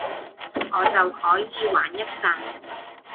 我就可以玩一陣